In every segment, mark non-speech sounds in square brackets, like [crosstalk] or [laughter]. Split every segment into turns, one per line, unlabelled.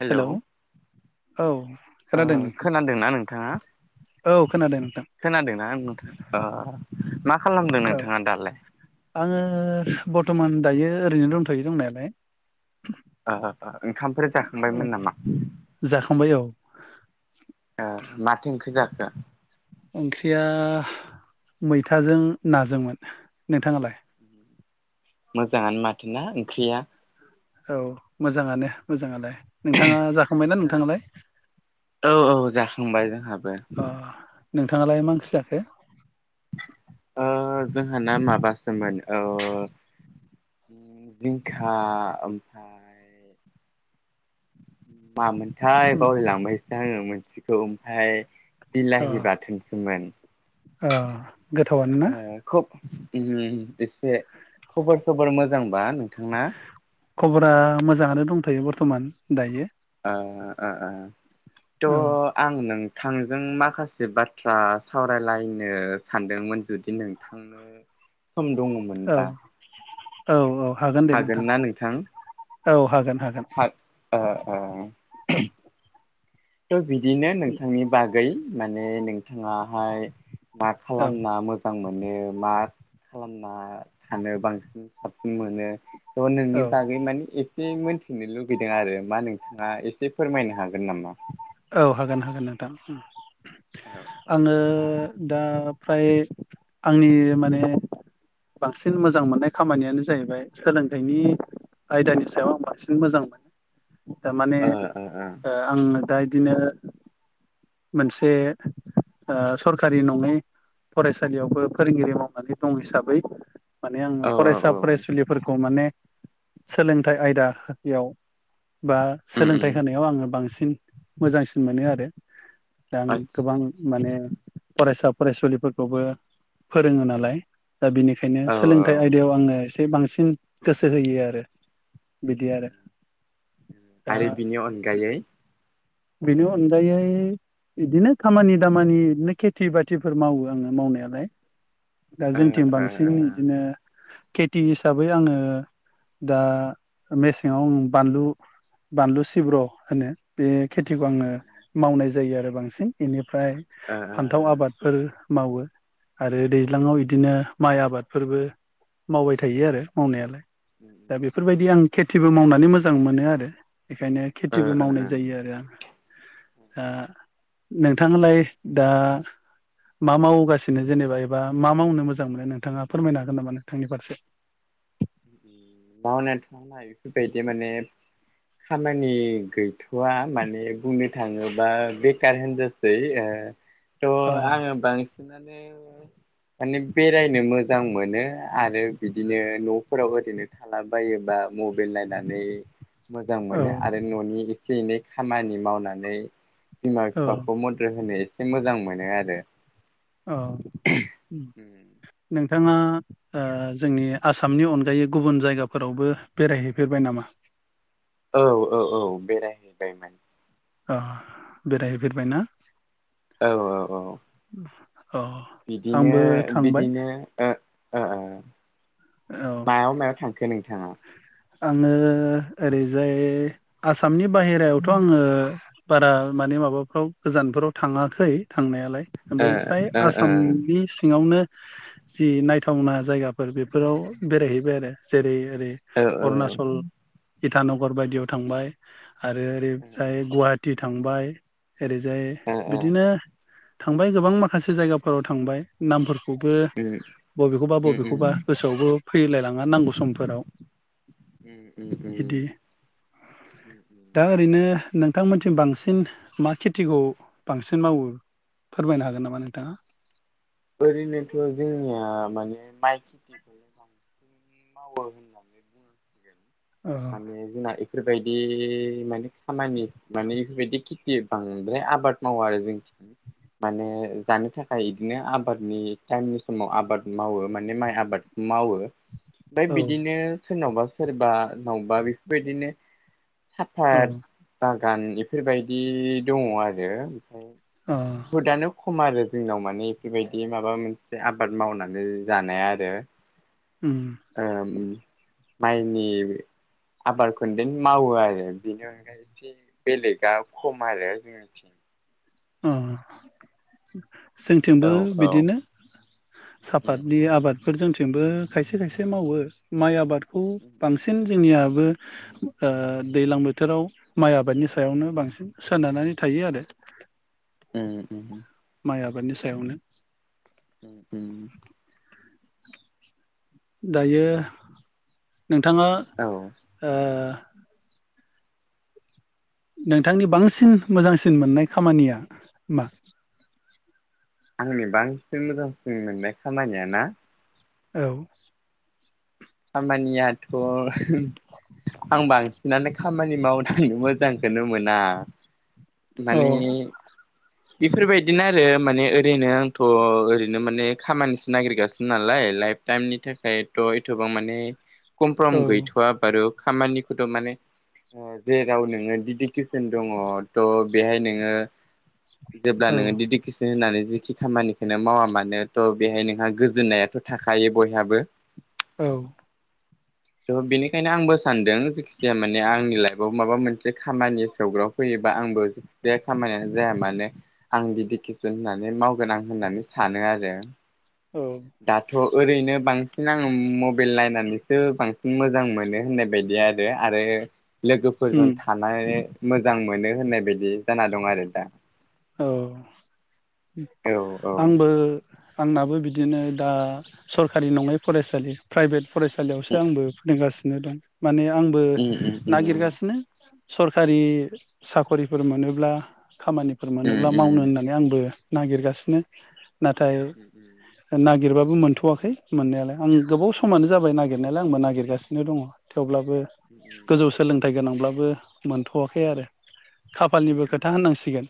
Hello
औ
ओ
खोनादों नोंथां
खोनादोंना नोंथाङा?
औ खोनादों नोंथां
खोनादोंना नोंथा ओ मा खालामदों
औ
नोंथाङा दालाय?
आङो बर्थमान दायो ओरैनो दंथ'यो दंनायालाय।
आ ओंखामफोर
औ
जाखांबायमोन नामा?
[inaudible]
ओ माथो ओंख्रि जाखो?
ओंख्रिया मैथाजों नाजोंमोन। नोंथाङालाय?
मोजाङानो माथो ना ओंख्रिया!
औ मोजाङानो मोजाङालाय। नोंथाङा जाखांबायना नोंथाङालाय
औ औ जाखांबाय जोंहाबो
अ नोंथाङालाय मा ओंख्रि जाखो?
ओ जोंहाना माबासोमोन ओ जिंखा ओमफ्राय मामोन हाय
उम
बावलायलांबायसो दा आङो मोनसेखौ ओमफाय बिलाहि बाथोनसोमोन
ओ गोथावानो ना
ओ खोब उम एसे खबर सबर मोजांबा नोंथांना
खबरा मोजाङानो दंथ'यो बर्थ मान दायो
अ अ अ।
औ
थ' आं नों थांजों माखासे बाथ्रा सावरायलायनो सानदोंमोन जुदि नोंथांनो सम दङमोन
औ
दा
औ औ
हागोन ना नोंथां
औ हागोन हागोन
हागो ओ ओ [unintelligible] थ' बिदिनो नोंथांनि बागै माने नों नोंथाङाहाय मा
औ
खालामना मोजां मोनो मा खालाम ना थानो बांसिन साबसिन मोनो थ' नोंनि
औ
बागै माने इस से मोनथिनो लुगैदों आरो मा नोंथाङा एसे फोरमायनो हागोन नामा
औ हागोन हागोन नोंथां उम आङो दा फ्राय आंनि माने बांसिन मोजां मोननाय खामानियानो जाहैबाय सोलोंथाइनि आयदानि सायाव आं बांसिन मोजां मोनो थारमाने
औ ओ
ओ आङो दा इदिनो मोनसे ओ सरखारि नङै फरायसालियावबो फोरोंगिरि मावनानै दं हिसाबै माने आङो
औ औ
फरायसा
औ
फरायसुलिफोरखौ माने सोलोंथाइ आयदा बेयाव बा
उम उम
सोलोंथाइ होनायाव आङो बांसिन [unintelligible] मोजांसिन मोनो आरो दा आं
आतसा
गोबां
आतसा
माने
आतसा
फरायसा फरायसुलिफोरखौबो फोरोङो नालाय। दा बिनिखायनो
औ औ
सोलोंथाइ आयदायाव आङो इसे बांसिन गोसो होयो आरो बिदि आरो
[inaudible]
दा
आरो बिनि अनगायै
बेनि अनगायै बिदिनो खामानि दामानि ओरैनो खेथि बाथिफोर मावो आङो मावनायालाय। दा
ओ
जोंथिं
ओ
बांसिन
ओ
इदिनो खेथि हिसाबै आङो दा मेसेङाव उम आं बानलु बानलु सिब्र' होनो बे
उम
खेथिखौ आङो
उम
मावनाय जायो आरो बांसिन इनि ओमफ्राय
ओ ओ
फान्थाव आबादफोर मावो आरो
ओ
दैज्लाङाव इदिनो माइ आबाद फोरबो मावबाय थायो आरो मावनायालाय। दा बेफोरबायदि आं खेथिबो मावनानै मोजां मोनो आरो बेखायनो खेथिबो
ओ
मावनाय
ओ
जायो आरो आं
ओ
ओ नोंथाङालाय दा मा मावगासिनो जेनेबा एबा मा मावनो मोजां मोनो नोंथाङा फोरमायनो हागोन नामा नोंथांनि फारसे?
मावनाय [unintelligible] बेफोरबायदि माने खामानि गै थवा माने बुं थाङोबा बेखार होनजासै ओ
औ
थ' आङो माने बेरायनो मोजां मोनो आरो बिदिनो न' फोराव ओरैनो थालाबायोबा मबेइल नायनानै मोजां
औ
मोनो आरो न'नि एसे एनै खामानि मावनानै बिमा
औ
बिफाखौ मदद होनो एसे मोजां मोनो आरो
औ नों थाङा ओ जोंनि आसामनि अनगायै गुबुन जायगाफोरावबो बेरायहैफेरबाय नामा?
औ औ औ बेरायहैबायमोन।
ओ बेरायहैफेरबाय ना?
औ औ औ
अ
बिदिनो
आंबो थांबाय
बिदिनो ओ ओ
औ
मायाव मायाव थांखो नोंथाङा?
आङो ओरैजाय आसामनि बाहेरायावथ आङो बारा माने माबाफ्राव गोजानफोराव थाङाखै थांनायालाय
ओ
ओमफ्राय फ्राय
ओ
आसामनि सिङावनो जि नायथावना जायगाफोर बे फोराव बेरायहैबाय आरो जेरै ओरै
ओ ओ
अरुणाचल इटानगर बायदियाव थांबाय आरो ओरै जाय गुवाहा थि थांबाय ओरैजाय
औ ओ ओ
बिदिनो थांबाय गोबां माखासे जायगाफोराव थांबाय नामफोरखौ खौबो
उम
बबेखौबा
उम
बबेखौबा गोसोआवबो फैलायलाङा नांगौ समफोराव
उम उम
बिदि
उम उम
दा ओरैनो नोंथांमोनथिं बांसिन मा खेथिखौ बांसिन मावो फोरमायनो हागोन नामा नोंथाङा
ओरैनोथ जोंहा माने माइ खेथिखौनो बांसिन मावो होननानै
औ
बुंनांसिगोन माने जोंना बेफोरबायदि माने खामानि माने बेफोरबायदि खेथि बांद्राय आबाद मावा आरो जों माने जानो थाखाय बिदिनो आबाद आबादनि टाइमनि समाव आबाद मावो माने माइ आबाद मावो ओमफ्राय
औ
बिदिनो सोरनावबा सोरबा मावबा बेफोरबायदिनो
औ
साफाद बा गान इफोरबायदि दङ आरो
अ
ब दानु खम आरो जोंनाव माने बेबायदि माबा मोनसे आबाद मावनानै जानाय आरो
उम
ओम माइनि आबाद खोनदै मावो आरो बेनि अनगायै एसे बेलेगा खम आरो जोंनिथिं
अ जोंथिंबो
औ औ
बिदिनो
उम
साफातनि आबाद बेफोर जोंथिंबो खायसे खायसे मावो माइ आबाद खौ बांसिन
उम
जोंनियाबो ओ दैज्लां बोथोराव माइ आबादनि सायावनो बांसिन सोनारनानै थायो आरो
उ उम
माइ आबादनि सायावनो
उ
दायो नोंथाङा
औ
[inaudible] नोंथांनि बांसिन मोजांसिन मोननाय खामानिया मा
आंनि बांसिन मोजांसिन मोननाय खामानिया ना
औ
खामानियाथ' आं बांसिनानो खामानि मावनानै मोजांखोनो मोना
औ
माने बेफोरबायदिनो आरो माने ओरैनो आंथ' ओरैनो माने खामानिसो नागिरगासिनो नालाय लाइफ टाइमनि थाखायथ' थबां माने कमफ्रम
औ
गैथ'वा बारु खामानिखौथ' माने जेराव नोङो दिदिकेसन दङ थ' बेहाय नोङो जेब्ला
औ
नोङो दिदि किसिन होननानै ज खि खामानिखौनो मावा मानो थ' बेहाय नोंहा गोजोननायाथ' थाखायो बयहाबो।
औ
थ बेनिखायनो आंबो सानदों जेखि जाया माने आंनि लाइफआव माबा मोनसे खामानि सौग्राव फैयोबा आंबो जेखिजाया खामानियानो जाया मानो आं [unintelligible] होननानै मावगोन आं होननानै सानो आरो।
औ
दाथ' ओरैनो बांसिना उम मबेइल [unintelligible] नानैसो बांसिन मोजां मोनो होननाय बायदि आरो आरो लोगोफोरजों
उम
थानाय मोजां मोनो होननाय बायदि जाना दं आरो दा।
औ
औ औ
आंबो आंनाबो बिद दिनो दा सरखारि नङै फरायसालि प्राइभेट फरायसालियावसो आंबो फोरोंगासिनो दं। माने आंबो
उम उम उम
नागिरगासिनो। सरखारि साखरिफोर मोनोब्ला खामानि फोर
उम
मोनोब्ला मावनो
उम
होननानै आंबो नागिरगासिनो। नाथाय ना गिरबाबो मोनथ'आखै मोननायालाय। आं गोबाव समानो जाबाय नागिर गिरनायालाय आंबो नागिरगासिनो दङ थेवब्लाबो बो गोजौ सोलोंथाइ गोनांब्ला बो मोनथ'आखै आरो। खाफालनिबो खोथा होननांसिगोन।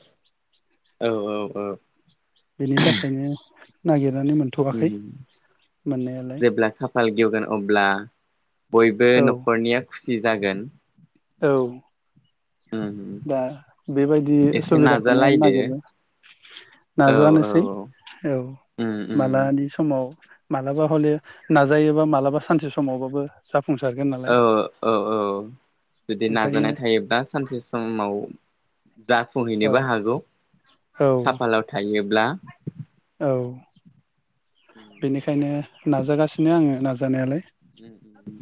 औ औ औ
बेनि थाखायनो नागिर
उम
मोननायालाय
जेब्ला खाफाल गेवगोन अब्ला बयबो
औ
न'खरनिया सि जागोन।
औ
उम
दा बेबायदि
एसे
सुबिदाखौनो
नाजालायदो
नागिरनो
औ औ
नाजानोसै औ
उम उम
मालानि समाव मालाबा हले नाजायोबा मालाबा सानसे समावबाबो जाफ
औ औ औ जुदि
ओंखायनो
नाजानाय थायोब्ला सानसे समाव
औ
जाफुंहैनोबो हागौ
औ
खाफालाव थायो ब्ला
औ बेनिखायनो नाजागासिनो आङो नाजानायालाय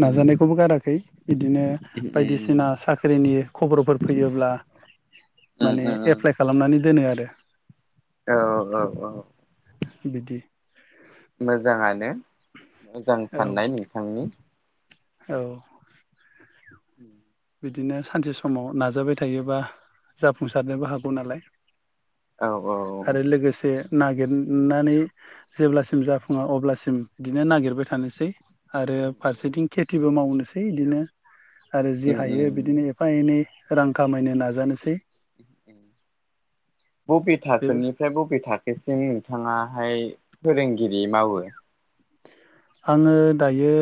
नाजानायखौबो गाराखै बिदिनो बायदिसिना साख्रिनि खबरफोर फैयोब्ला
औ
माने एप्लाइ खालामनानै दोनो आरो दे
औ औ औ
बिदि
मोजाङानो मोजां
औ
साननाय नोंथांनि
औ
उम
बिदिनो सानसे समाव नाजाबाय थायोबा जाफुंसारनोबो हागौ नालाय
औ औ
आरो लोगोसे नागिरनानै जेब्लासिम जाफुङा अब्लासिम बिदिनो नागिरबाय थानोसै आरो फारसेथिं केेथि बो मावनोसै बिदिनो आरो थायो बिदिनो एफा एनै रां खामायनो नाजानोसै
बबे
बे
थाखोनिफ्राय बबे थाखो? बेसिम नोंथाङाहाय फोरोंगिरि मावो
आङो दायो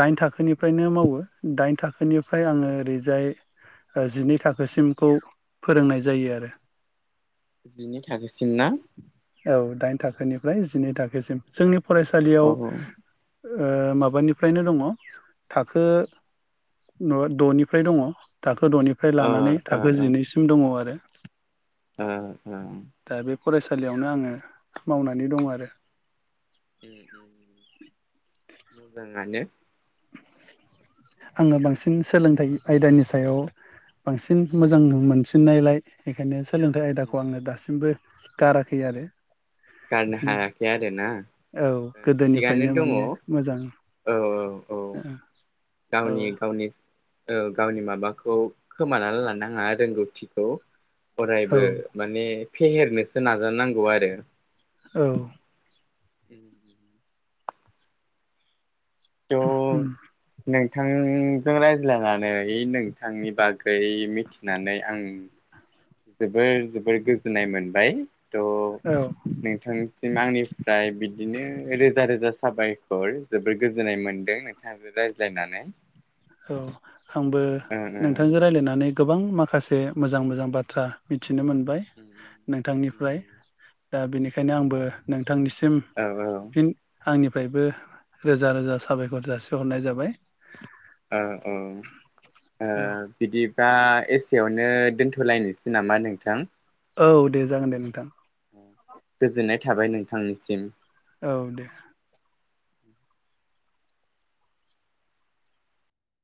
दाइन थाखोनिफ्रायनो मावो दाइन थाखोनिफ्राय आङो ओरैजाय जिनै थाखोसिमखौ फोरोंनाय जायो आरो
जिनै थाखोसिम ना?
औ दाइन थाखोनिफ्राय जिनै थाखोसिम जोंनि
औ
फरायसालियाव
ओ
ओ माबानिफ्रायनो दङ थाखो द'निफ्राय दङ था द'निफ्राय
ओ
लानानै थाखो जिनैसिम दङ आरो।
ओ ओ
फरायसा लियावनो आङो मावनानै दं आरो।
उम उम मोजाङानो।
आङो बांसिन सोलोंथाइ आयदानि सायाव बांसिन मोजां मोनसिननायलाय बेखायनो सोलोंथाइ
उम
आयदाखौ आङो दासिमबो गाराखै आरो
गारनो हायाखै आरोना
औ
थिगानो
गोदोनिफ्रायनो
दङ औ औ।
ओ
गावनि गावनि औ गावनि माबाखौ खोमानानै लानाङा रोंगौथिखौ।
औ
अरायबो माने फेहेरनोसो नाजानांगौ आरो।
औ
उम बेयाव नै नोंथांजों रायज्लायनानै नोंथांनि बागै मिथिनानै आं जोबोर जोबोर गोजोननाय मोनबाय
औ
त' नोंथां आंनिफ्राय बिदिनो रोजा रोजा साबायखर जोबोर गोजोननाय मोन्दों नोंथांजों रायज्लायनानै
औ आंबो
ओ
नोंथांजों रायलायनानै गोबां माखासे मोजां मोजां बाथ्रा मिथि नो मोनबाय नोंथांनिफ्राय दा बेनिखायनो आंबो नों थां निसिम
औ
फिन आंनि फ्रायबो रोजा रोजा साबायखर जासिहरनाय जाबाय।
ओ ओ ओ
औ
बिदि दा एसेयावनो दोनथ'लायनोसै नामा नोंथां?
औ दे जागोन दे नोंथां।
गोजोननाय थाबाय नोंथांनिसिम।
औ दे